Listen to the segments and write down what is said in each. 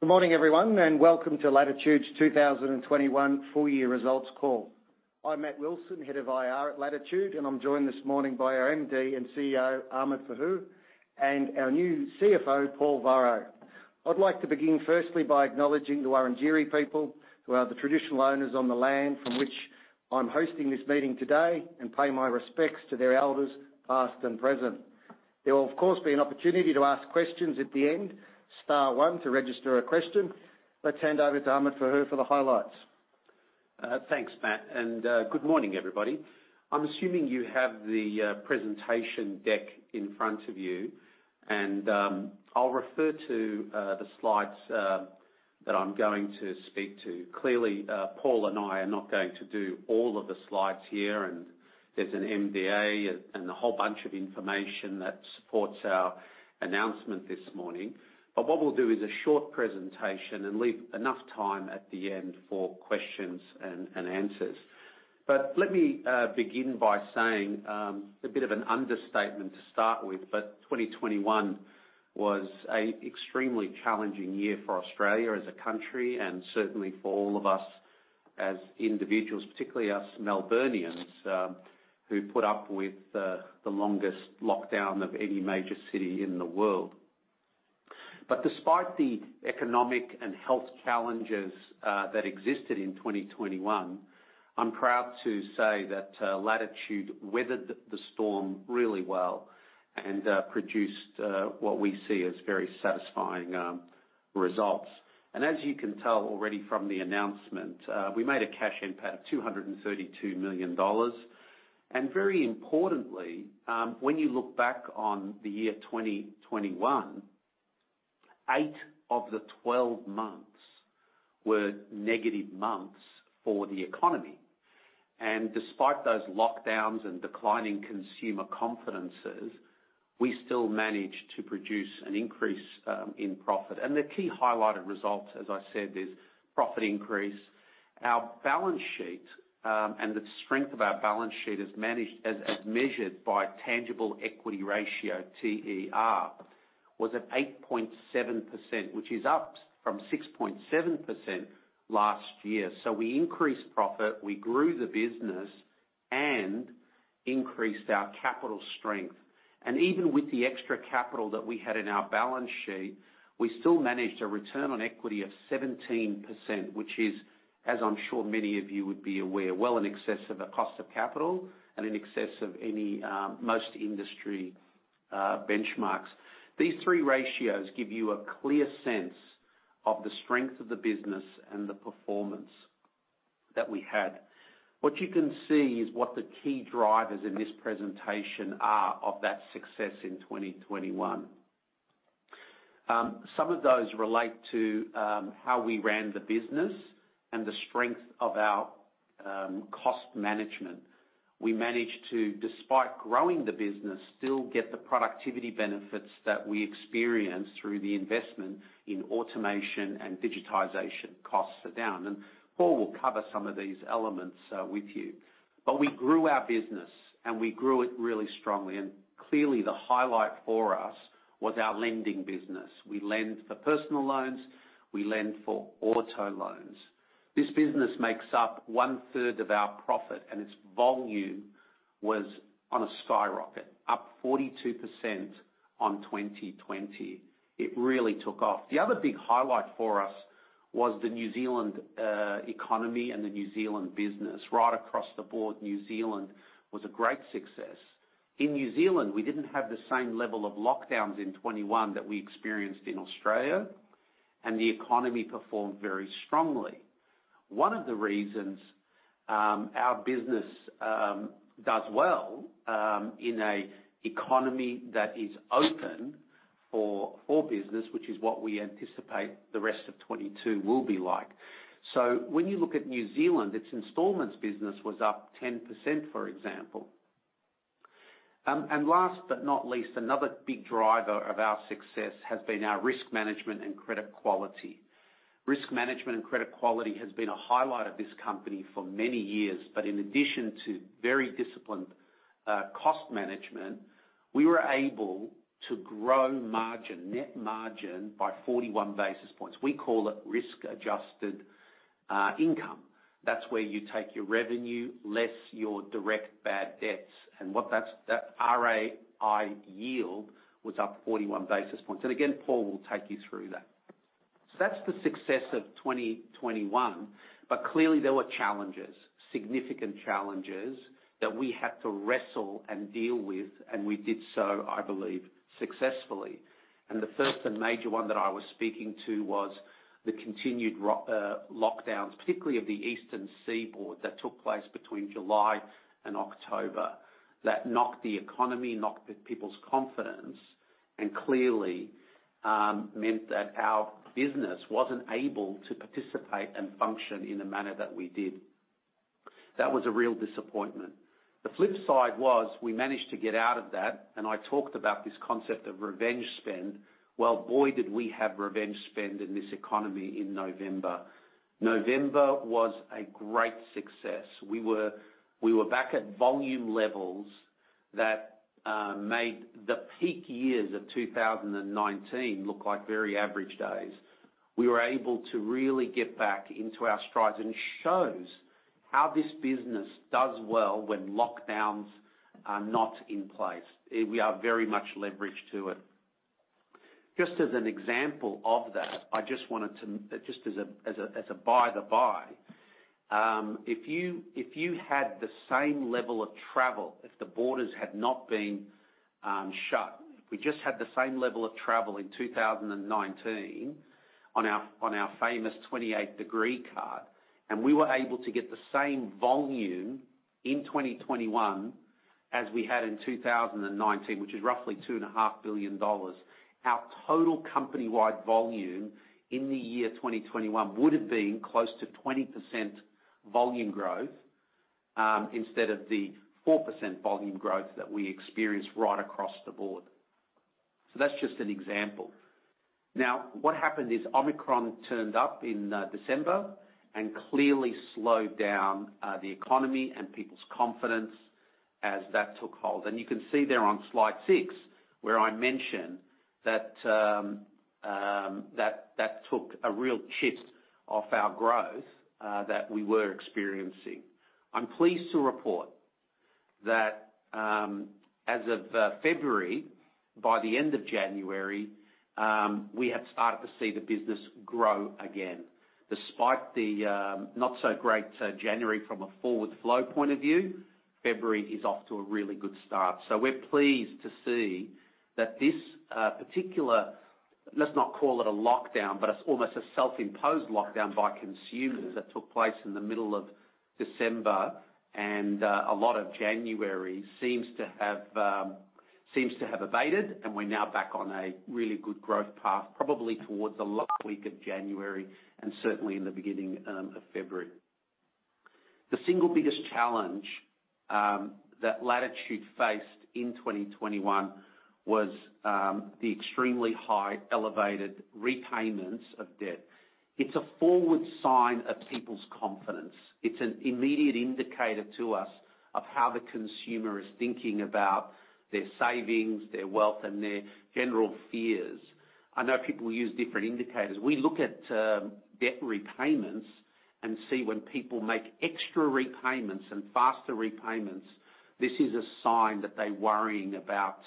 Good morning, everyone, and welcome to Latitude's 2021 full year results call. I'm Matt Wilson, Head of IR at Latitude, and I'm joined this morning by our MD and CEO, Ahmed Fahour, and our new CFO, Paul Varro. I'd like to begin firstly by acknowledging the Wurundjeri people who are the traditional owners on the land from which I'm hosting this meeting today, and pay my respects to their elders, past and present. There will, of course, be an opportunity to ask questions at the end. Star one to register a question. Let's hand over to Ahmed Fahour for the highlights. Thanks, Matt, and good morning, everybody. I'm assuming you have the presentation deck in front of you. I'll refer to the slides that I'm going to speak to. Clearly, Paul and I are not going to do all of the slides here, and there's an MDA and a whole bunch of information that supports our announcement this morning. What we'll do is a short presentation and leave enough time at the end for questions-and-answers. Let me begin by saying a bit of an understatement to start with, but 2021 was an extremely challenging year for Australia as a country, and certainly for all of us as individuals. Particularly us Melburnians, who put up with the longest lockdown of any major city in the world. Despite the economic and health challenges that existed in 2021, I'm proud to say that Latitude weathered the storm really well and produced what we see as very satisfying results. As you can tell already from the announcement, we made a Cash NPAT of 232 million dollars. Very importantly, when you look back on the year 2021, eight of the 12 months were negative months for the economy. Despite those lockdowns and declining consumer confidences, we still managed to produce an increase in profit. The key highlighted results, as I said, is profit increase. Our balance sheet and the strength of our balance sheet is managed, as measured by Tangible Equity Ratio, TER, was at 8.7%, which is up from 6.7% last year. We increased profit, we grew the business, and increased our capital strength. Even with the extra capital that we had in our balance sheet, we still managed a return on equity of 17%, which is, as I'm sure many of you would be aware, well in excess of a cost of capital and in excess of any, most industry, benchmarks. These three ratios give you a clear sense of the strength of the business and the performance that we had. What you can see is what the key drivers in this presentation are of that success in 2021. Some of those relate to, how we ran the business and the strength of our, cost management. We managed to, despite growing the business, still get the productivity benefits that we experienced through the investment in automation and digitization. Costs are down, and Paul will cover some of these elements with you. We grew our business, and we grew it really strongly. Clearly the highlight for us was our lending business. We lend for personal loans. We lend for auto loans. This business makes up one-third of our profit, and its volume was on a skyrocket, up 42% on 2020. It really took off. The other big highlight for us was the New Zealand economy and the New Zealand business. Right across the board, New Zealand was a great success. In New Zealand, we didn't have the same level of lockdowns in 2021 that we experienced in Australia, and the economy performed very strongly. One of the reasons our business does well in an economy that is open for business, which is what we anticipate the rest of 2022 will be like. When you look at New Zealand, its installments business was up 10%, for example. Last but not least, another big driver of our success has been our risk management and credit quality. Risk management and credit quality has been a highlight of this company for many years. In addition to very disciplined cost management, we were able to grow margin, net margin by 41 basis points. We call it risk-adjusted income. That's where you take your revenue less your direct bad debts. That RAI yield was up 41 basis points. Again, Paul will take you through that. That's the success of 2021. Clearly there were challenges, significant challenges that we had to wrestle and deal with, and we did so, I believe, successfully. The first and major one that I was speaking to was the continued lockdowns, particularly of the eastern seaboard that took place between July and October, that knocked the economy, knocked the people's confidence and clearly meant that our business wasn't able to participate and function in the manner that we did. That was a real disappointment. The flip side was we managed to get out of that, and I talked about this concept of revenge spend. Well, boy, did we have revenge spend in this economy in November. November was a great success. We were back at volume levels that made the peak years of 2019 look like very average days. We were able to really get back into our strides and shows how this business does well when lockdowns are not in place. We are very much leveraged to it. Just as an example of that, just as a by-the-by, if you had the same level of travel, if the borders had not been shut, if we just had the same level of travel in 2019 on our famous 28 Degrees card, and we were able to get the same volume in 2021 as we had in 2019, which is roughly 2.5 billion dollars, our total company-wide volume in the year 2021 would have been close to 20% volume growth instead of the 4% volume growth that we experienced right across the board. That's just an example. Now what happened is Omicron turned up in December and clearly slowed down the economy and people's confidence as that took hold. You can see there on slide six, where I mention that that took a real chip off our growth that we were experiencing. I'm pleased to report that as of February, by the end of January, we have started to see the business grow again. Despite the not so great January from a forward flow point of view, February is off to a really good start. We're pleased to see that this particular, let's not call it a lockdown, but it's almost a self-imposed lockdown by consumers that took place in the middle of December and a lot of January seems to have abated and we're now back on a really good growth path, probably towards the last week of January and certainly in the beginning of February. The single biggest challenge that Latitude faced in 2021 was the extremely high elevated repayments of debt. It's a forward sign of people's confidence. It's an immediate indicator to us of how the consumer is thinking about their savings, their wealth, and their general fears. I know people use different indicators. We look at debt repayments and see when people make extra repayments and faster repayments, this is a sign that they're worrying about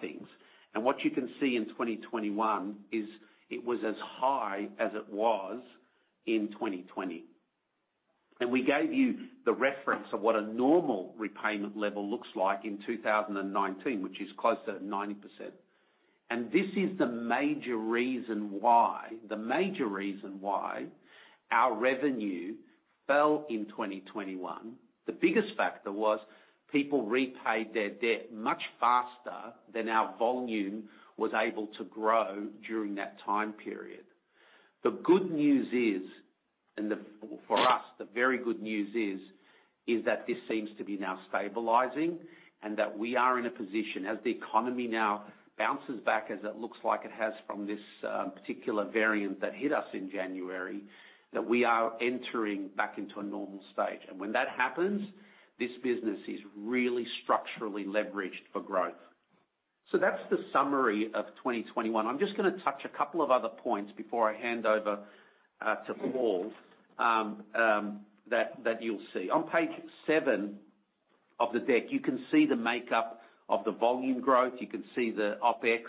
things. What you can see in 2021 is it was as high as it was in 2020. We gave you the reference of what a normal repayment level looks like in 2019, which is closer to 90%. This is the major reason why our revenue fell in 2021. The biggest factor was people repaid their debt much faster than our volume was able to grow during that time period. The good news is, for us, the very good news is that this seems to be now stabilizing and that we are in a position as the economy now bounces back as it looks like it has from this particular variant that hit us in January, that we are entering back into a normal stage. When that happens, this business is really structurally leveraged for growth. That's the summary of 2021. I'm just gonna touch a couple of other points before I hand over to Paul that you'll see. On page seven of the deck, you can see the makeup of the volume growth, you can see the OpEx,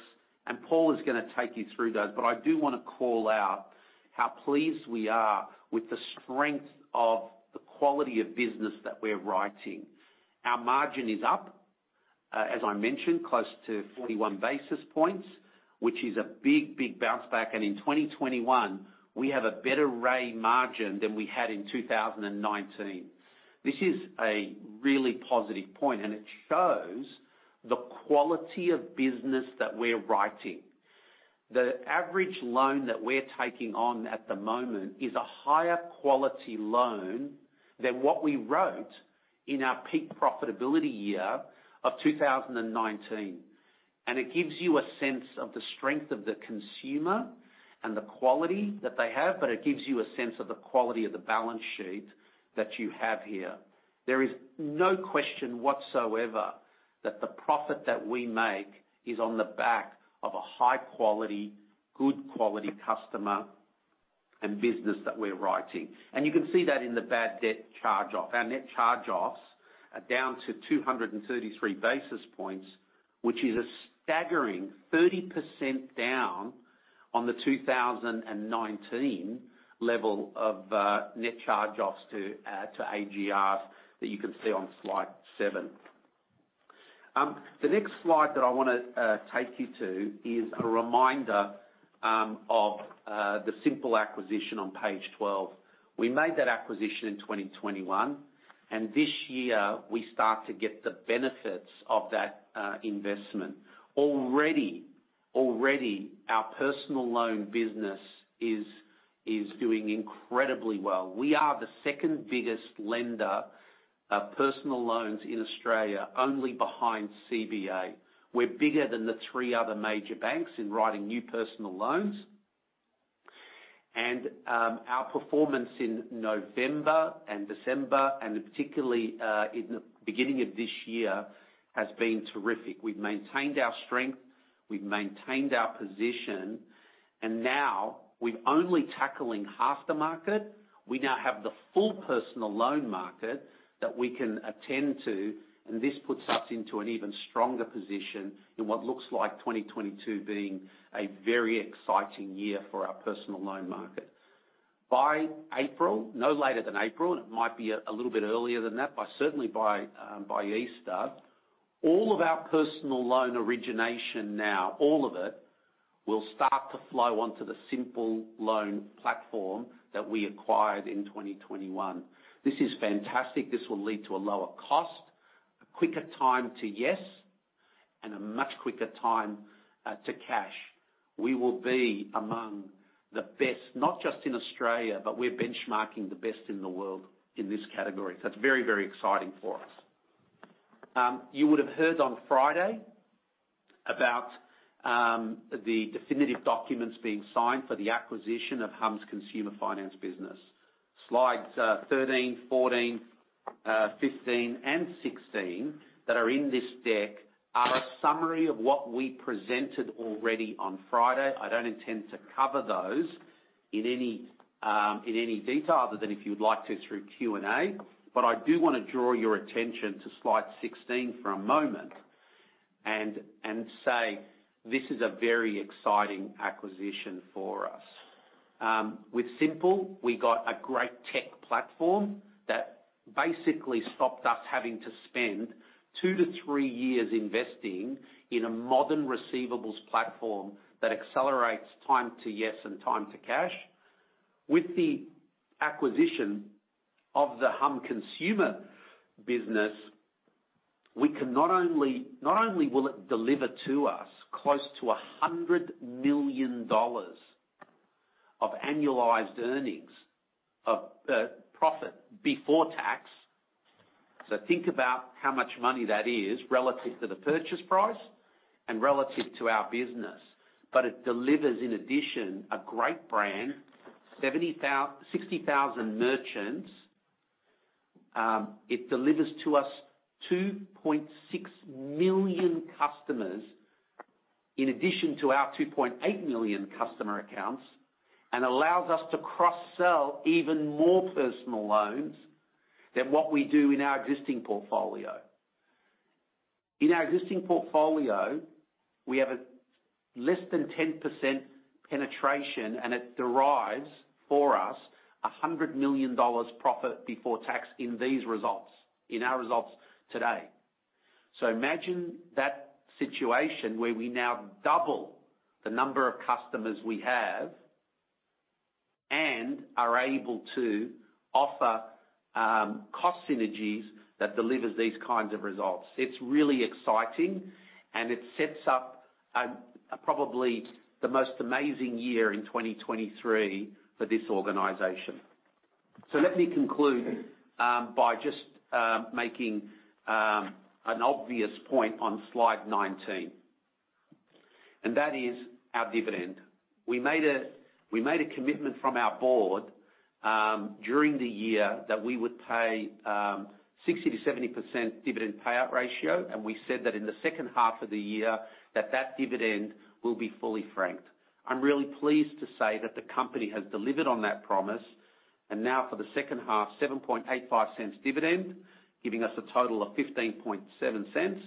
and Paul is gonna take you through those. I do wanna call out how pleased we are with the strength of the quality of business that we're writing. Our margin is up, as I mentioned, close to 41 basis points, which is a big bounce back. In 2021, we have a better RAI margin than we had in 2019. This is a really positive point, and it shows the quality of business that we're writing. The average loan that we're taking on at the moment is a higher quality loan than what we wrote in our peak profitability year of 2019. It gives you a sense of the strength of the consumer and the quality that they have, but it gives you a sense of the quality of the balance sheet that you have here. There is no question whatsoever that the profit that we make is on the back of a high quality, good quality customer and business that we're writing. You can see that in the bad debt charge-off. Our net charge-offs are down to 233 basis points, which is a staggering 30% down on the 2019 level of net charge-offs to AGR that you can see on slide 7. The next slide that I wanna take you to is a reminder of the Symple acquisition on page 12. We made that acquisition in 2021, and this year, we start to get the benefits of that investment. Already, our personal loan business is doing incredibly well. We are the second biggest lender of personal loans in Australia, only behind CBA. We're bigger than the three other major banks in writing new personal loans. Our performance in November and December, and particularly in the beginning of this year has been terrific. We've maintained our strength, we've maintained our position, and now we're only tackling half the market. We now have the full personal loan market that we can attend to, and this puts us into an even stronger position in what looks like 2022 being a very exciting year for our personal loan market. By April, no later than April, and it might be a little bit earlier than that, but certainly by Easter, all of our personal loan origination now, all of it, will start to flow onto the Symple Loans platform that we acquired in 2021. This is fantastic. This will lead to a lower cost, a quicker time to yes, and a much quicker time to cash. We will be among the best, not just in Australia, but we're benchmarking the best in the world in this category. So it's very, very exciting for us. You would have heard on Friday about the definitive documents being signed for the acquisition of Humm's consumer finance business. Slides 13, 14, 15, and 16 that are in this deck are a summary of what we presented already on Friday. I don't intend to cover those in any detail other than if you'd like to through Q&A. I do wanna draw your attention to slide 16 for a moment and say this is a very exciting acquisition for us. With Symple, we got a great tech platform that basically stopped us having to spend 2-3 years investing in a modern receivables platform that accelerates time to yes and time to cash. With the acquisition of the Humm consumer business, not only will it deliver to us close to 100 million dollars of annualized earnings of profit before tax. Think about how much money that is relative to the purchase price and relative to our business. It delivers, in addition, a great brand, 60,000 merchants. It delivers to us 2.6 million customers in addition to our 2.8 million customer accounts, and allows us to cross-sell even more personal loans than what we do in our existing portfolio. In our existing portfolio, we have a less than 10% penetration, and it derives for us 100 million dollars profit before tax in these results, in our results today. Imagine that situation where we now double the number of customers we have and are able to offer cost synergies that delivers these kinds of results. It's really exciting, and it sets up probably the most amazing year in 2023 for this organization. Let me conclude by just making an obvious point on slide 19, and that is our dividend. We made a commitment from our board during the year that we would pay 60%-70% dividend payout ratio, and we said that in the second half of the year that dividend will be fully franked. I'm really pleased to say that the company has delivered on that promise, and now for the second half, 0.0785 dividend, giving us a total of 0.157.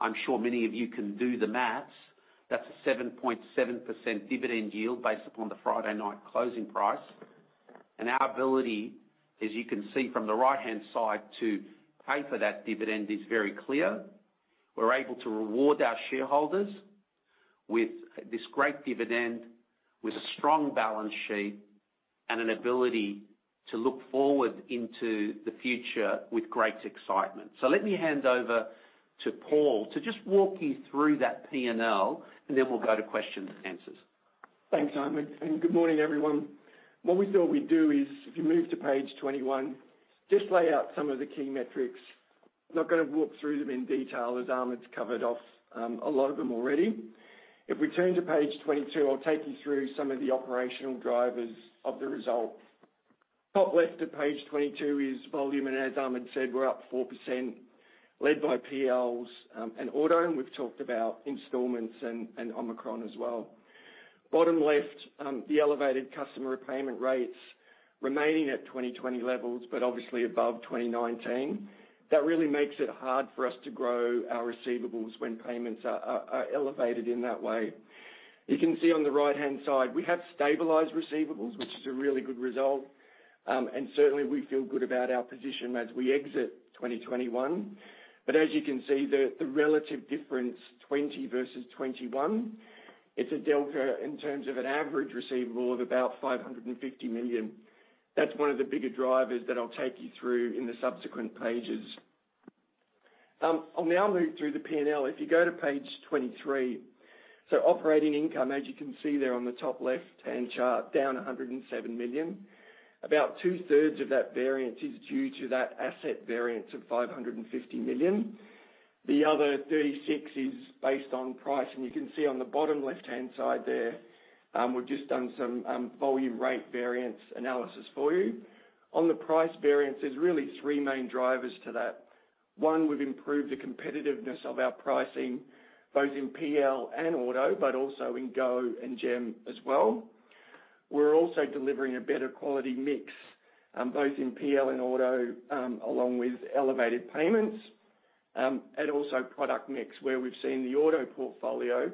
I'm sure many of you can do the math. That's a 7.7% dividend yield based upon the Friday night closing price. Our ability, as you can see from the right-hand side to pay for that dividend is very clear. We're able to reward our shareholders with this great dividend, with a strong balance sheet, and an ability to look forward into the future with great excitement. Let me hand over to Paul to just walk you through that P&L, and then we'll go to questions-and-answers. Thanks, Ahmed, and good morning, everyone. What we thought we'd do is, if you move to page 21, just lay out some of the key metrics. Not gonna walk through them in detail, as Ahmed's covered off a lot of them already. If we turn to page 22, I'll take you through some of the operational drivers of the results. Top left of page 22 is volume, and as Ahmed said, we're up 4%, led by PLs and Auto, and we've talked about installments and Omicron as well. Bottom left, the elevated customer repayment rates remaining at 2020 levels, but obviously above 2019. That really makes it hard for us to grow our receivables when payments are elevated in that way. You can see on the right-hand side, we have stabilized receivables, which is a really good result. Certainly we feel good about our position as we exit 2021. As you can see, the relative difference, 2020 versus 2021, it's a delta in terms of an average receivable of about 550 million. That's one of the bigger drivers that I'll take you through in the subsequent pages. I'll now move through the P&L. If you go to page 23, so operating income, as you can see there on the top left-hand chart, down 107 million. About two-thirds of that variance is due to that asset variance of 550 million. The other 36 is based on price. You can see on the bottom left-hand side there, we've just done some volume rate variance analysis for you. On the price variance, there's really three main drivers to that. One, we've improved the competitiveness of our pricing, both in PL and Auto, but also in Go and Gem as well. We're also delivering a better quality mix, both in PL and Auto, along with elevated payments, and also product mix, where we've seen the auto portfolio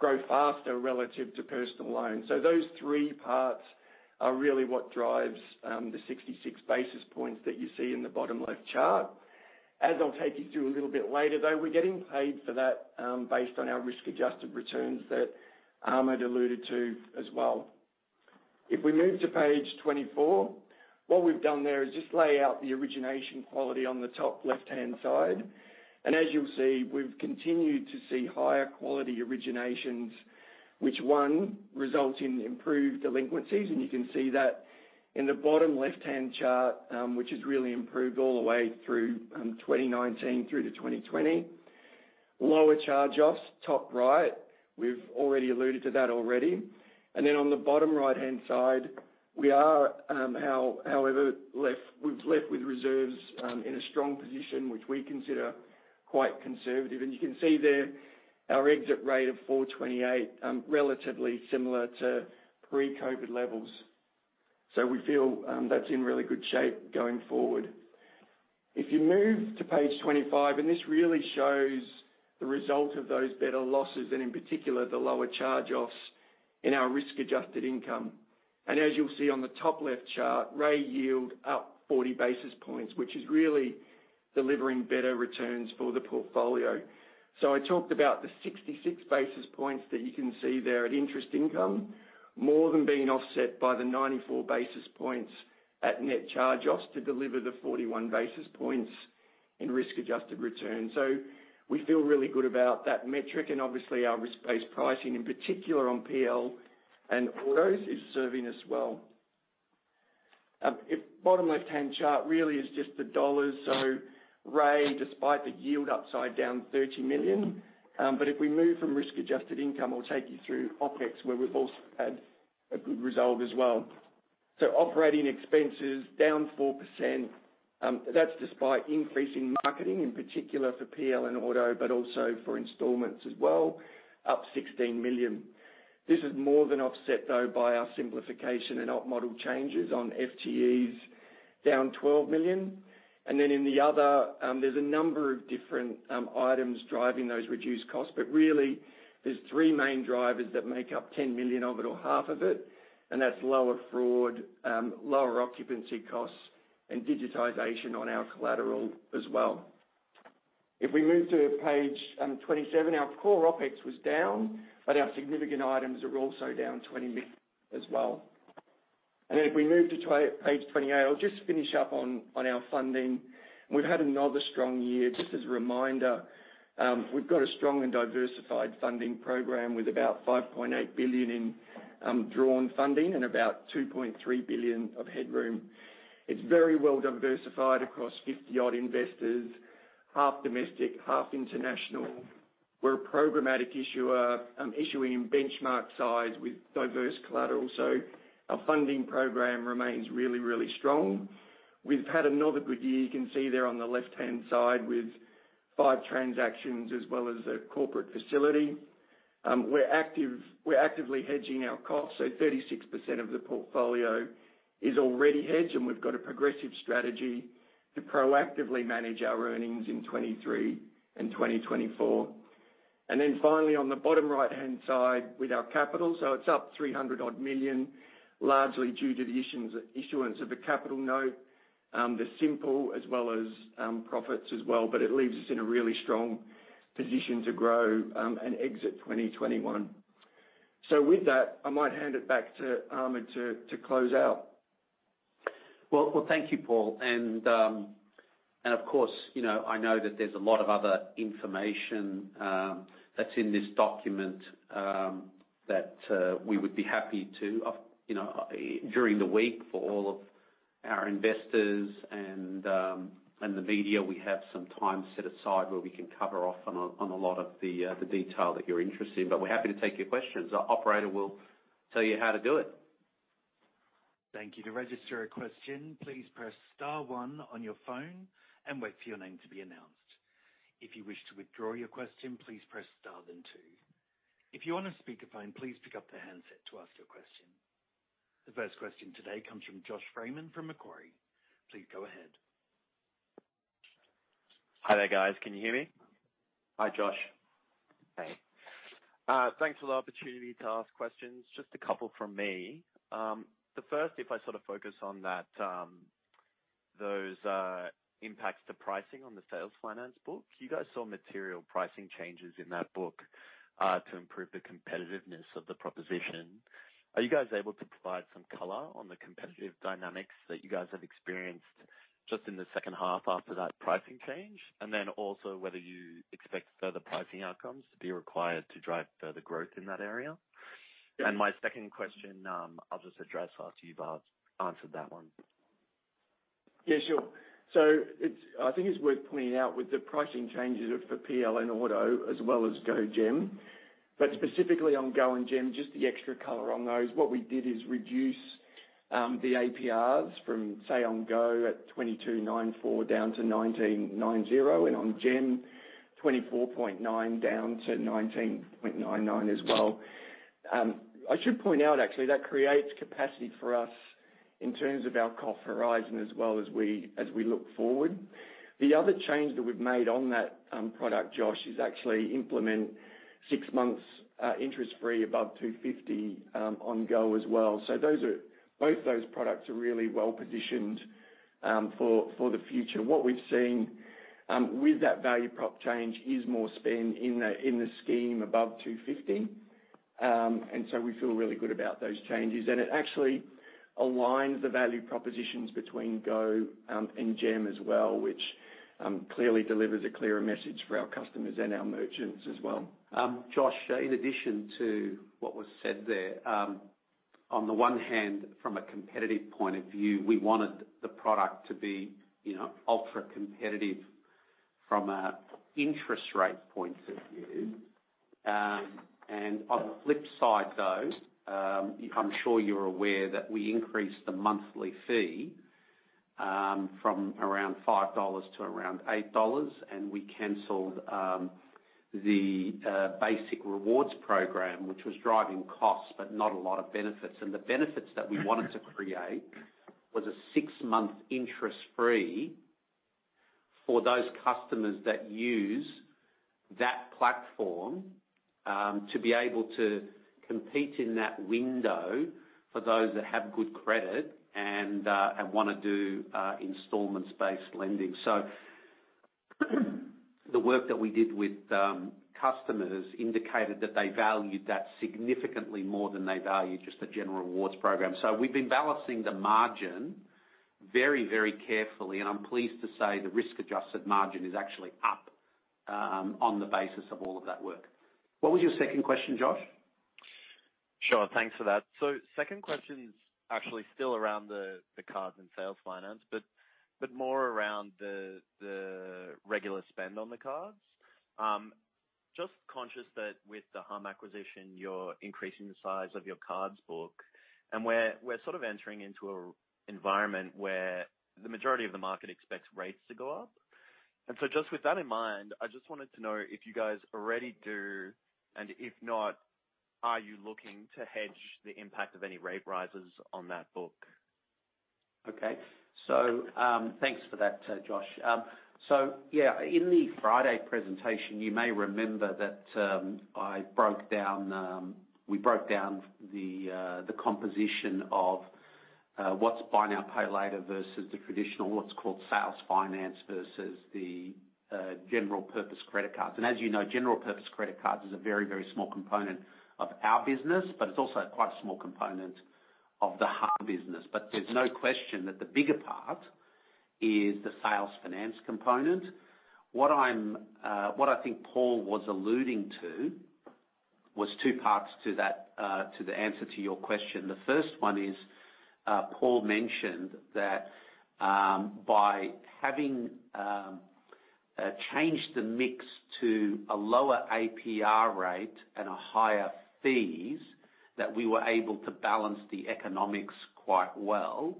grow faster relative to personal loans. So those three parts are really what drives the 66 basis points that you see in the bottom left chart. As I'll take you through a little bit later, though, we're getting paid for that, based on our risk-adjusted returns that Ahmed alluded to as well. If we move to page 24, what we've done there is just lay out the origination quality on the top left-hand side. As you'll see, we've continued to see higher quality originations, which, one, results in improved delinquencies. You can see that in the bottom left-hand chart, which has really improved all the way through 2019 through to 2020. Lower charge-offs, top right. We've already alluded to that. Then on the bottom right-hand side, however, we're left with reserves in a strong position, which we consider quite conservative. You can see there our exit rate of 4.28, relatively similar to pre-COVID levels. We feel that's in really good shape going forward. If you move to page 25, this really shows the result of those better losses and, in particular, the lower charge-offs in our risk-adjusted income. As you'll see on the top left chart, RAI yield up 40 basis points, which is really delivering better returns for the portfolio. I talked about the 66 basis points that you can see there at interest income, more than being offset by the 94 basis points at net charge-offs to deliver the 41 basis points in risk-adjusted returns. We feel really good about that metric, and obviously our risk-based pricing, in particular on PL and Autos, is serving us well. The bottom left-hand chart really is just the dollars. RAI, despite the yield upside down 30 million, but if we move from risk-adjusted income, I'll take you through OpEx, where we've also had a good result as well. Operating expenses down 4%, that's despite increasing marketing, in particular for PL and Auto, but also for installments as well, up 16 million. This is more than offset, though, by our simplification and OpEx model changes on FTEs, down 12 million. In the other, there's a number of different items driving those reduced costs, but really there's three main drivers that make up 10 million of it or half of it, and that's lower fraud, lower occupancy costs, and digitization on our collateral as well. If we move to page 27, our core OpEx was down, but our significant items are also down 20 million as well. If we move to page 28, I'll just finish up on our funding. We've had another strong year. Just as a reminder, we've got a strong and diversified funding program with about 5.8 billion in drawn funding and about 2.3 billion of headroom. It's very well diversified across 50-odd investors, half domestic, half international. We're a programmatic issuer, issuing in benchmark size with diverse collateral. Our funding program remains really, really strong. We've had another good year. You can see there on the left-hand side with 5 transactions as well as a corporate facility. We're active, we're actively hedging our costs, so 36% of the portfolio is already hedged, and we've got a progressive strategy to proactively manage our earnings in 2023 and 2024. Finally, on the bottom right-hand side with our capital, so it's up 300-odd million, largely due to the issuance of the Capital Notes, Symple as well as profits, but it leaves us in a really strong position to grow and exit 2021. With that, I might hand it back to Ahmed to close out. Well, thank you, Paul. Of course, you know, I know that there's a lot of other information that's in this document that we would be happy to, you know, during the week for all of our investors and the media, we have some time set aside where we can cover off on a lot of the detail that you're interested in, but we're happy to take your questions. Our operator will tell you how to do it. Thank you. To register a question, please press star one on your phone and wait for your name to be announced. If you wish to withdraw your question, please press star then two. If you're on a speaker phone, please pick up the handset to ask your question. The first question today comes from Josh Freiman from Macquarie. Please go ahead. Hi there, guys. Can you hear me? Hi, Josh. Hey. Thanks for the opportunity to ask questions. Just a couple from me. The first, if I sort of focus on that, those impacts to pricing on the sales finance book. You guys saw material pricing changes in that book to improve the competitiveness of the proposition. Are you guys able to provide some color on the competitive dynamics that you guys have experienced just in the second half after that pricing change? And then also whether you expect further pricing outcomes to be required to drive further growth in that area. My second question, I'll just address after you've answered that one. Yeah, sure. I think it's worth pointing out with the pricing changes of the PL and Auto as well as Go and Gem, but specifically on Go and Gem, just the extra color on those. What we did is reduce the APRs from, say, on Go at 22.94 down to 19.90, and on Gem, 24.9 down to 19.99 as well. I should point out actually, that creates capacity for us in terms of our cost horizon as well as we look forward. The other change that we've made on that product, Josh, is actually implement six months interest free above 250 on Go as well. Those are both those products are really well-positioned for the future. What we've seen with that value prop change is more spend in the scheme above 250. We feel really good about those changes. It actually aligns the value propositions between Go and Gem as well, which clearly delivers a clearer message for our customers and our merchants as well. Josh, in addition to what was said there, on the one hand, from a competitive point of view, we wanted the product to be, you know, ultra-competitive from an interest rate point of view. On the flip side, though, I'm sure you're aware that we increased the monthly fee, from around 5 dollars to around 8 dollars, and we canceled the basic rewards program, which was driving costs, but not a lot of benefits. The benefits that we wanted to create was a 6-month interest free for those customers that use that platform, to be able to compete in that window for those that have good credit and wanna do installments-based lending. The work that we did with customers indicated that they valued that significantly more than they valued just the general rewards program. We've been balancing the margin very, very carefully, and I'm pleased to say the risk-adjusted margin is actually up, on the basis of all of that work. What was your second question, Josh? Sure. Thanks for that. Second question is actually still around the cards and sales finance, but more around the regular spend on the cards. Just conscious that with the Humm acquisition, you're increasing the size of your cards book. We're sort of entering into an environment where the majority of the market expects rates to go up. Just with that in mind, I just wanted to know if you guys already do, and if not, are you looking to hedge the impact of any rate rises on that book? Okay. Thanks for that, Josh. Yeah, in the Friday presentation, you may remember that, we broke down the composition of what's buy now, pay later versus the traditional, what's called sales finance versus the general purpose credit cards. As you know, general purpose credit cards is a very, very small component of our business, but it's also quite a small component of the Humm business. There's no question that the bigger part is the sales finance component. What I think Paul was alluding to was two parts to that, to the answer to your question. The first one is, Paul mentioned that by having change the mix to a lower APR rate and a higher fees, that we were able to balance the economics quite well.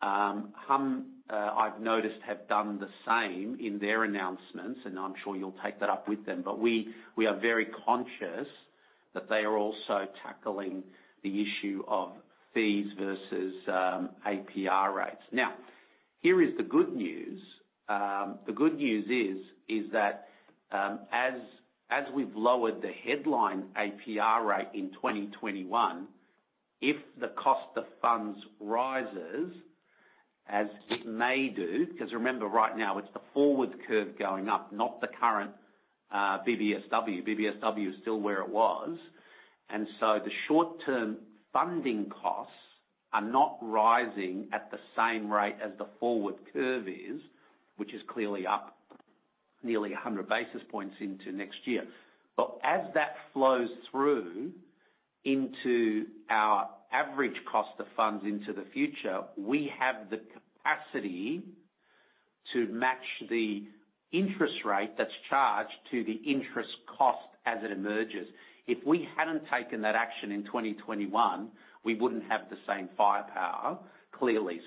Humm, I've noticed, have done the same in their announcements, and I'm sure you'll take that up with them. We are very conscious that they are also tackling the issue of fees versus APR rates. Now, here is the good news. The good news is that as we've lowered the headline APR rate in 2021, if the cost of funds rises, as it may do, 'cause remember, right now, it's the forward curve going up, not the current BBSW. BBSW is still where it was. The short-term funding costs are not rising at the same rate as the forward curve is, which is clearly up nearly 100 basis points into next year. As that flows through into our average cost of funds into the future, we have the capacity to match the interest rate that's charged to the interest cost as it emerges. If we hadn't taken that action in 2021, we wouldn't have the same firepower, clearly.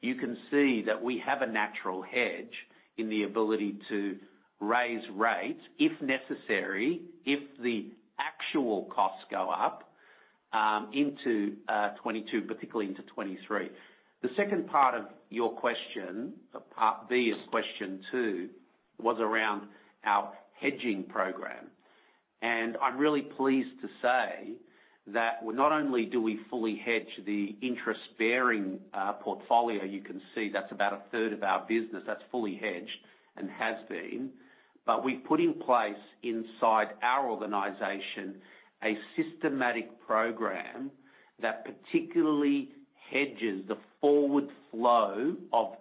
You can see that we have a natural hedge in the ability to raise rates, if necessary, if the actual costs go up, into 2022, particularly into 2023. The second part of your question, part B of question two, was around our hedging program. I'm really pleased to say that not only do we fully hedge the interest-bearing portfolio, you can see that's about a third of our business that's fully hedged and has been, but we've put in place inside our organization a systematic program that particularly hedges the forward flow of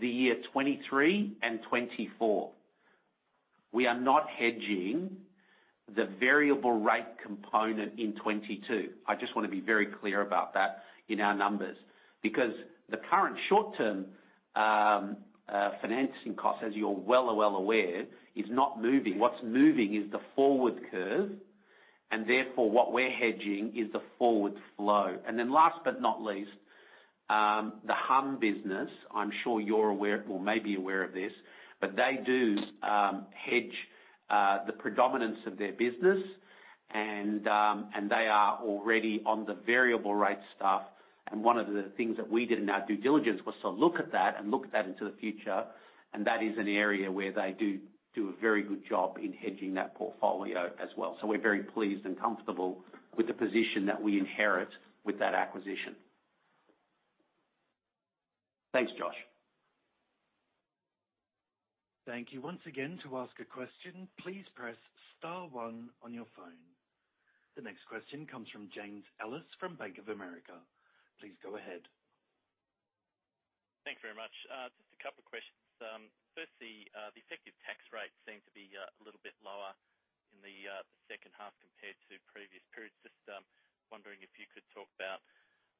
the year 2023 and 2024. We are not hedging the variable rate component in 2022. I just want to be very clear about that in our numbers. Because the current short-term financing cost, as you're well aware, is not moving. What's moving is the forward curve, and therefore, what we're hedging is the forward flow. Then last but not least, the Humm business, I'm sure you're aware or may be aware of this, but they do hedge the predominance of their business and they are already on the variable rate stuff. One of the things that we did in our due diligence was to look at that into the future. That is an area where they do a very good job in hedging that portfolio as well. We're very pleased and comfortable with the position that we inherit with that acquisition. Thanks, Josh. Thank you once again. To ask a question, please press star one on your phone. The next question comes from James Ellis from Bank of America. Please go ahead. Thanks very much. Just a couple of questions. Firstly, the effective tax rate seemed to be a little bit lower in the second half compared to previous periods. Just wondering if you could talk about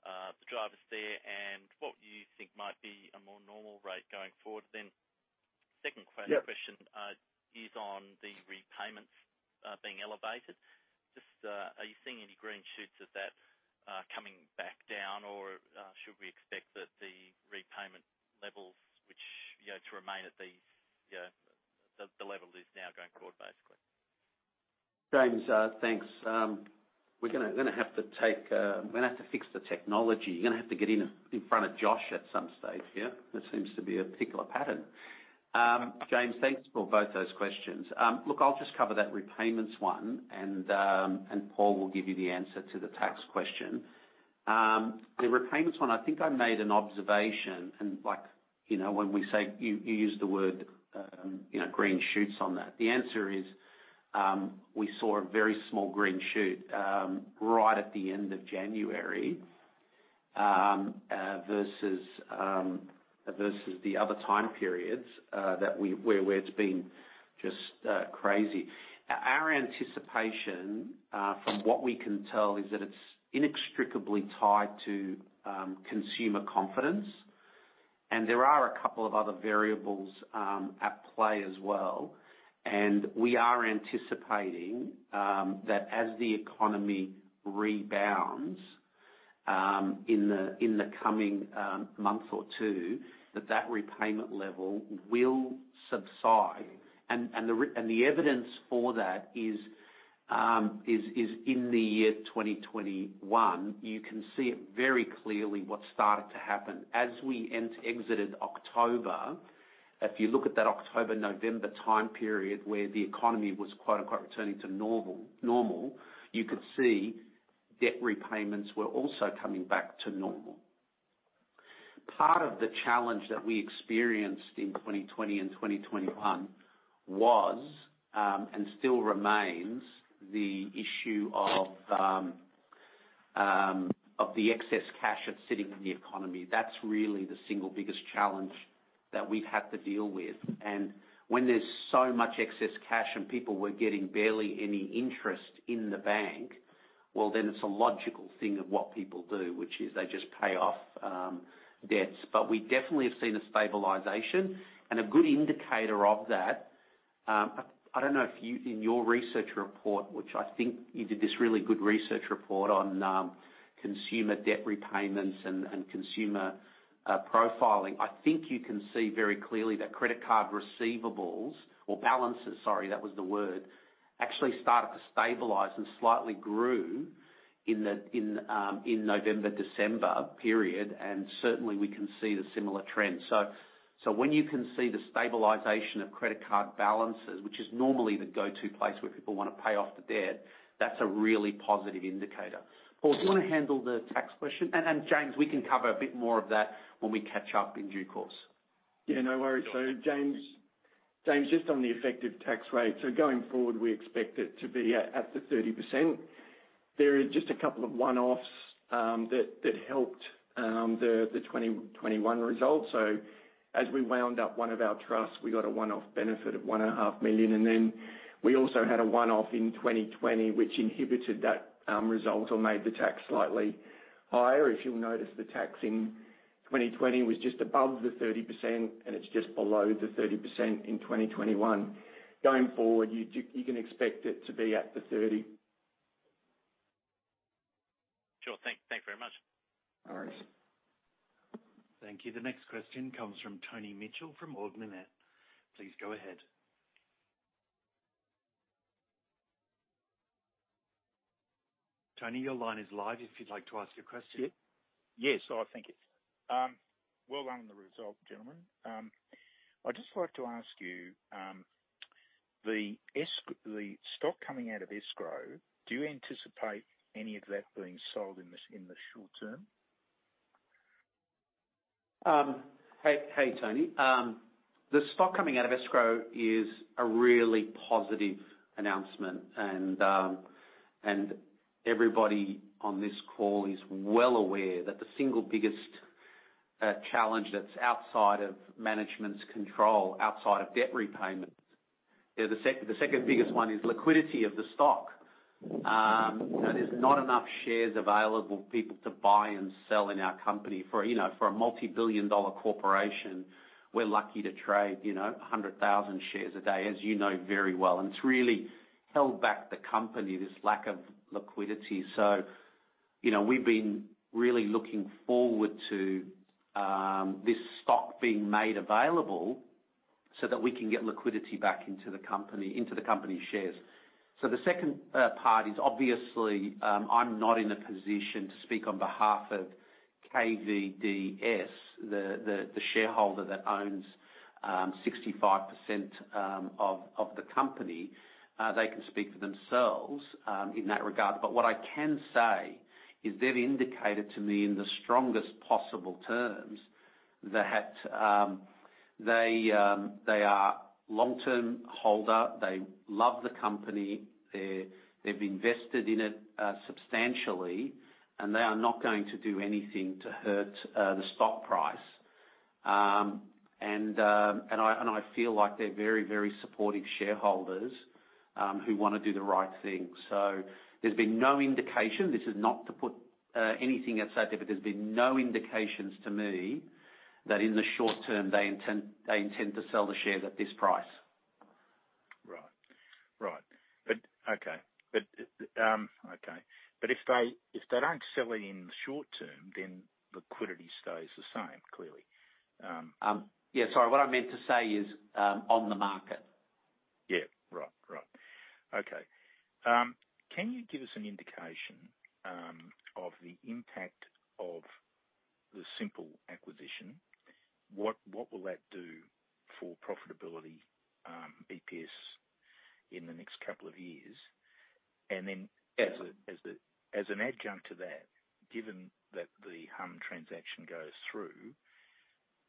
the drivers there and what you think might be a more normal rate going forward. Then second question is on the repayments being elevated. Just are you seeing any green shoots of that coming back down, or should we expect that the repayment levels which, you know, to remain at these, you know, the level now going forward, basically? James, thanks. We're gonna have to fix the technology. You're gonna have to get in front of Josh at some stage here. That seems to be a particular pattern. James, thanks for both those questions. Look, I'll just cover that repayments one, and Paul will give you the answer to the tax question. The repayments one, I think I made an observation and like, you know, when we say you used the word, you know, green shoots on that, the answer is, we saw a very small green shoot right at the end of January. Versus the other time periods where it's been just crazy. Our anticipation from what we can tell is that it's inextricably tied to consumer confidence. There are a couple of other variables at play as well. We are anticipating that as the economy rebounds in the coming month or two, that repayment level will subside. The evidence for that is in the year 2021. You can see it very clearly what started to happen as we exited October. If you look at that October, November time period where the economy was quote-unquote returning to normal, you could see debt repayments were also coming back to normal. Part of the challenge that we experienced in 2020 and 2021 was and still remains the issue of the excess cash that's sitting in the economy. That's really the single biggest challenge that we've had to deal with. When there's so much excess cash and people were getting barely any interest in the bank, well, then it's a logical thing of what people do, which is they just pay off debts. But we definitely have seen a stabilization. A good indicator of that, I don't know if you, in your research report, which I think you did this really good research report on, consumer debt repayments and consumer profiling. I think you can see very clearly that credit card receivables or balances, sorry, that was the word, actually started to stabilize and slightly grew in the November, December period, and certainly we can see the similar trends. So when you can see the stabilization of credit card balances, which is normally the go-to place where people wanna pay off the debt, that's a really positive indicator. Paul, do you wanna handle the tax question? James, we can cover a bit more of that when we catch up in due course. Yeah, no worries. James, just on the effective tax rate. Going forward, we expect it to be at the 30%. There are just a couple of one-offs that helped the 2021 results. As we wound up one of our trusts, we got a one-off benefit of 1.5 million. Then we also had a one-off in 2020, which inhibited that result or made the tax slightly higher. If you'll notice, the tax in 2020 was just above the 30% and it's just below the 30% in 2021. Going forward, you can expect it to be at the 30%. Sure. Thank you very much. No worries. Thank you. The next question comes from Tony Mitchell from Ord Minnett. Please go ahead. Tony, your line is live if you'd like to ask your question. Yes. Oh, thank you. Well done on the result, gentlemen. I'd just like to ask you, the stock coming out of escrow, do you anticipate any of that being sold in the short term? Hey, Tony. The stock coming out of escrow is a really positive announcement, and everybody on this call is well aware that the single biggest challenge that's outside of management's control outside of debt repayment you know the second biggest one is liquidity of the stock. There's not enough shares available for people to buy and sell in our company. You know, for a multibillion-dollar corporation, we're lucky to trade 100,000 shares a day, as you know very well. It's really held back the company, this lack of liquidity. You know, we've been really looking forward to this stock being made available so that we can get liquidity back into the company, into the company's shares. The second part is obviously I'm not in a position to speak on behalf of KVDS, the shareholder that owns 65% of the company. They can speak for themselves in that regard. But what I can say is they've indicated to me in the strongest possible terms that they are long-term holder, they love the company, they've invested in it substantially, and they are not going to do anything to hurt the stock price. I feel like they're very supportive shareholders who wanna do the right thing. There's been no indication. This is not to put anything aside there, but there's been no indications to me that in the short term, they intend to sell the shares at this price. Right. Okay. If they don't sell it in the short term, then liquidity stays the same, clearly. Yeah, sorry. What I meant to say is, on the market. Yeah. Right. Okay. Can you give us an indication of the impact of the Symple acquisition? What will that do for profitability, EPS in the next couple of years? And then as a- Yeah. As an adjunct to that, given that the Humm transaction goes through,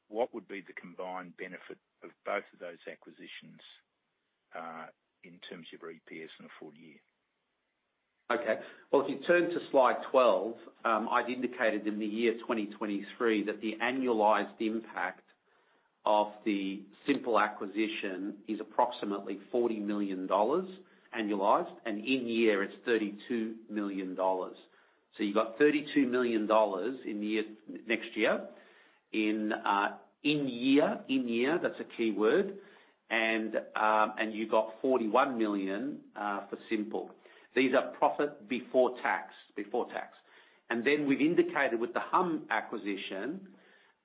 what would be the combined benefit of both of those acquisitions, in terms of your EPS in a full year? Okay. Well, if you turn to slide 12, I've indicated in 2023 that the annualized impact of the Symple acquisition is approximately 40 million dollars annualized, and in-year it's 32 million dollars. You got 32 million dollars in next year in-year, in-year, that's a key word, and you got 41 million for Symple. These are profit before tax. Then we've indicated with the Humm acquisition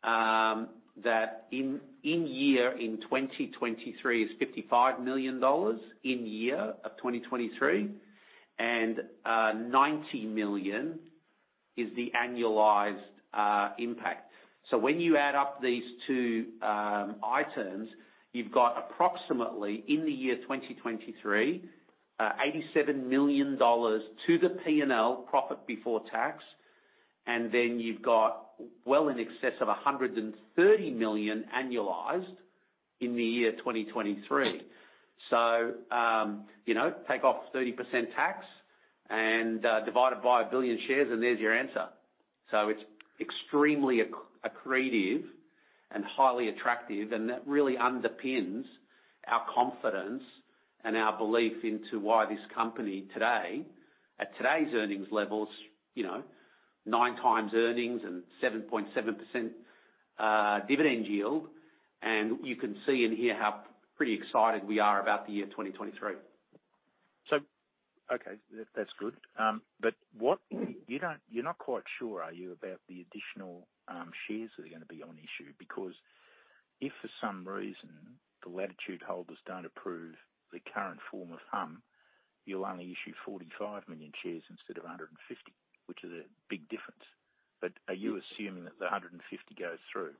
that in-year in 2023 is 55 million dollars in-year of 2023, and 19 million is the annualized impact. When you add up these two items, you've got approximately, in-year 2023, 87 million dollars to the P&L profit before tax, and then you've got well in excess of 130 million annualized in 2023. You know, take off 30% tax and divide it by 1 billion shares, and there's your answer. It's extremely accretive and highly attractive, and that really underpins our confidence and our belief into why this company today, at today's earnings levels, you know, 9x earnings and 7.7% dividend yield, and you can see and hear how pretty excited we are about the year 2023. Okay, that's good. You're not quite sure, are you, about the additional shares that are gonna be on issue? Because if for some reason the Latitude holders don't approve the current form of Humm, you'll only issue 45 million shares instead of 150, which is a big difference. Are you assuming that the 150 goes through?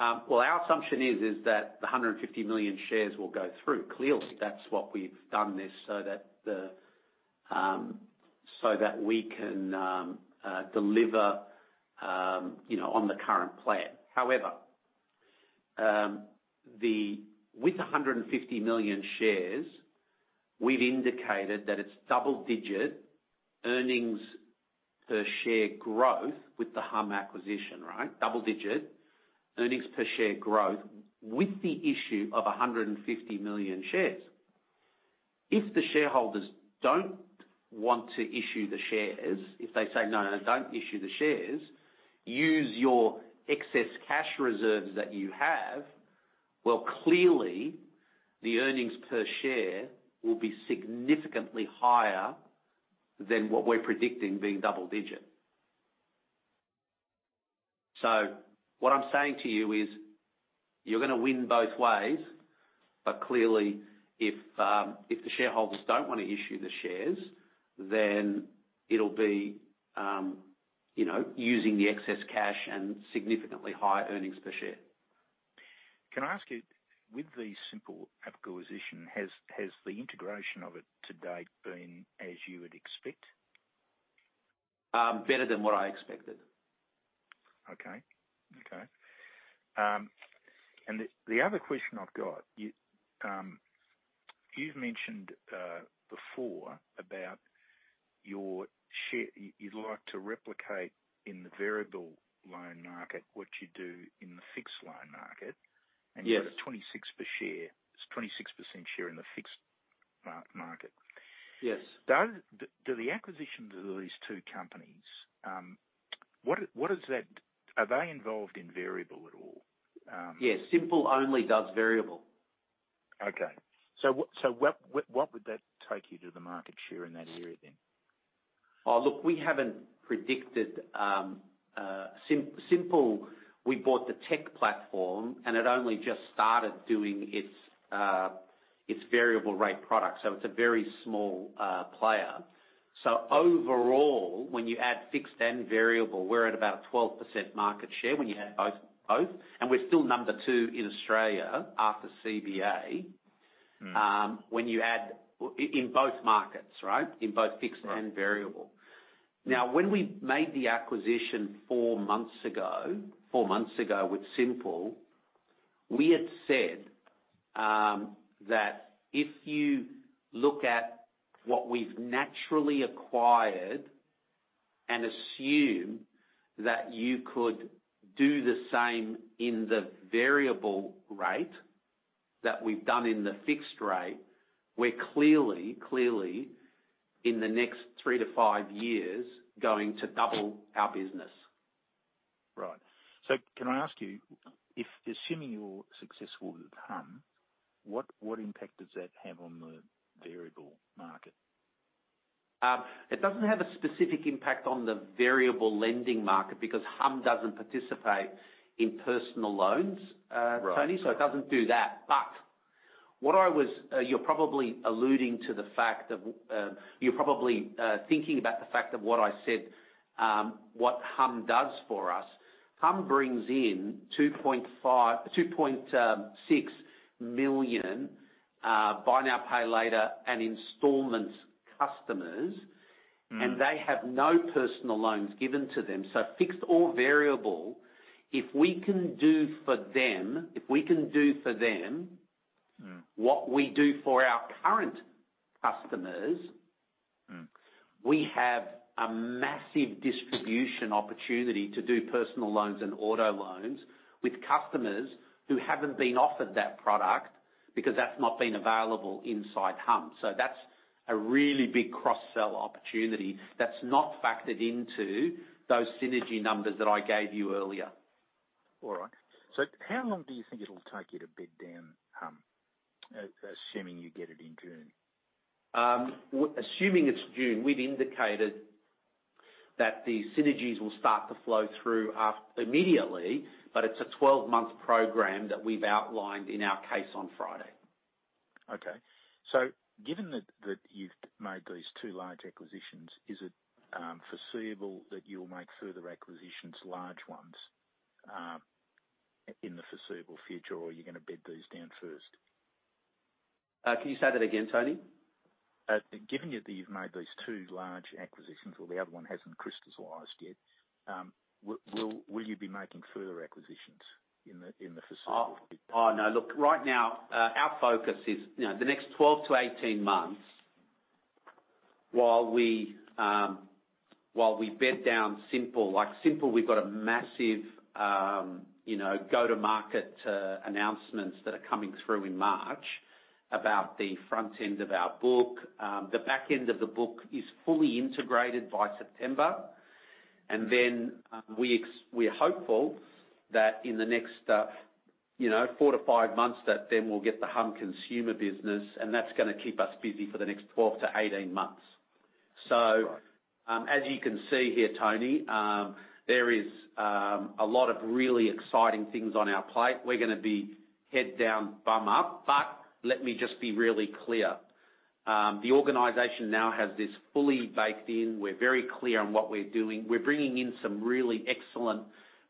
Our assumption is that the 150 million shares will go through. Clearly that's what we've done this so that we can deliver, you know, on the current plan. However, with 150 million shares, we've indicated that it's double-digit earnings per share growth with the Humm acquisition, right? Double-digit earnings per share growth with the issue of 150 million shares. If the shareholders don't want to issue the shares, if they say, "No, no, don't issue the shares, use your excess cash reserves that you have," clearly the earnings per share will be significantly higher than what we're predicting being double-digit. What I'm saying to you is, you're gonna win both ways. Clearly, if the shareholders don't wanna issue the shares, then it'll be, you know, using the excess cash and significantly higher earnings per share. Can I ask you, with the Symple acquisition, has the integration of it to date been as you would expect? Better than what I expected. Okay. The other question I've got. You've mentioned before about your share you'd like to replicate in the variable loan market what you do in the fixed loan market. Yes. You've got a 26 per share. It's 26% share in the fixed market. Yes. Do the acquisitions of these two companies, what is that? Are they involved in variable at all? Yes. Symple only does variable. What would that take you to the market share in that area then? Oh, look, we haven't predicted Symple. We bought the tech platform, and it only just started doing its variable rate product. It's a very small player. Overall, when you add fixed and variable, we're at about 12% market share when you add both. We're still number two in Australia after CBA. Mm. When you add in both markets, right? In both fixed- Right. Variable. Now, when we made the acquisition 4 months ago with Symple, we had said that if you look at what we've naturally acquired and assume that you could do the same in the variable rate that we've done in the fixed rate, we're clearly in the next 3-5 years going to double our business. Right. Can I ask you, if assuming you're successful with Humm, what impact does that have on the variable market? It doesn't have a specific impact on the variable lending market because Humm doesn't participate in personal loans. Right. Tony. It doesn't do that. You're probably thinking about the fact of what I said, what Humm does for us. Humm brings in 2.6 million buy now, pay later and installments customers. Mm. They have no personal loans given to them, fixed or variable, if we can do for them. Mm. What we do for our current customers. Mm. We have a massive distribution opportunity to do personal loans and auto loans with customers who haven't been offered that product because that's not been available inside Humm. That's a really big cross-sell opportunity that's not factored into those synergy numbers that I gave you earlier. All right. How long do you think it'll take you bid down Humm, assuming you get it in June? Assuming it's June, we've indicated that the synergies will start to flow through immediately, but it's a 12-month program that we've outlined in our case on Friday. Okay. Given that you've made these two large acquisitions, is it foreseeable that you'll make further acquisitions, large ones, in the foreseeable future or you're gonna bid these down first? Can you say that again, Tony? Given that you've made these two large acquisitions or the other one hasn't crystallized yet, will you be making further acquisitions in the foreseeable future? Oh. Oh, no. Look, right now, our focus is, you know, the next 12-18 months, while we bed down Symple. Like Symple, we've got a massive, you know, go to market announcements that are coming through in March about the front end of our book. The back end of the book is fully integrated by September. We're hopeful that in the next, you know, 4-5 months that then we'll get the Humm consumer business, and that's gonna keep us busy for the next 12-18 months. Right. As you can see here, Tony, there is a lot of really exciting things on our plate. We're gonna be head down, bum up. Let me just be really clear. The organization now has this fully baked in. We're very clear on what we're doing. We're bringing in some really excellent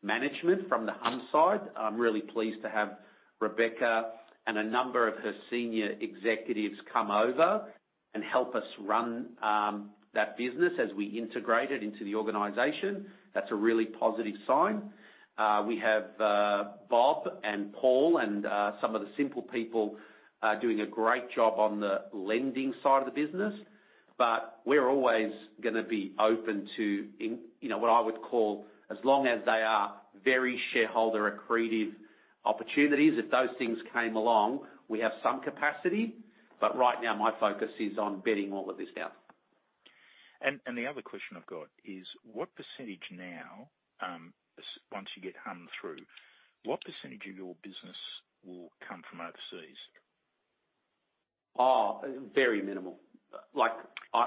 management from the Humm side. I'm really pleased to have Rebecca and a number of her senior executives come over and help us run that business as we integrate it into the organization. That's a really positive sign. We have Bob and Paul and some of the Symple people doing a great job on the lending side of the business. We're always gonna be open to, you know, what I would call as long as they are very shareholder accretive opportunities. If those things came along, we have some capacity, but right now, my focus is on bedding all of this down. The other question I've got is what percentage now, once you get Humm through, what percentage of your business will come from overseas? Oh, very minimal. Like,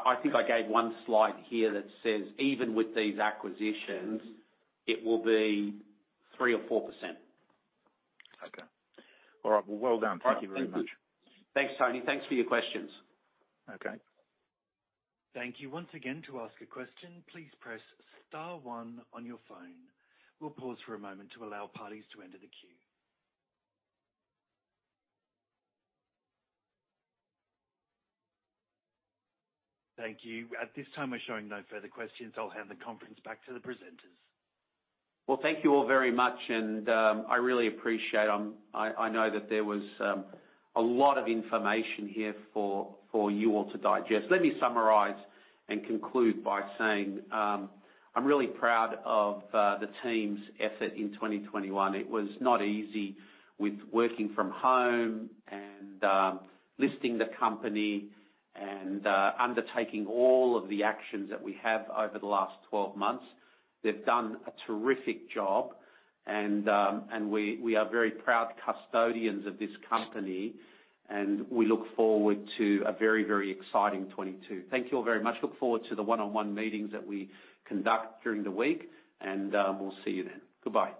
I think I gave one slide here that says even with these acquisitions, it will be 3%-4%. Okay. All right. Well, well done. All right. Thank you. Thank you very much. Thanks, Tony. Thanks for your questions. Okay. Thank you once again. To ask a question, please press star one on your phone. We'll pause for a moment to allow parties to enter the queue. Thank you. At this time, we're showing no further questions. I'll hand the conference back to the presenters. Well, thank you all very much, and I really appreciate. I know that there was a lot of information here for you all to digest. Let me summarize and conclude by saying, I'm really proud of the team's effort in 2021. It was not easy with working from home and listing the company and undertaking all of the actions that we have over the last 12 months. They've done a terrific job, and we are very proud custodians of this company, and we look forward to a very exciting 2022. Thank you all very much. Look forward to the one-on-one meetings that we conduct during the week, and we'll see you then. Goodbye.